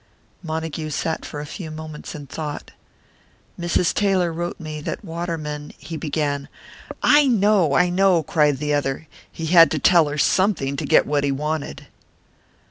Montague sat for a few moments in thought. "Mrs. Taylor wrote me that Waterman " he began. "I know, I know!" cried the other. "He had to tell her something, to get what he wanted."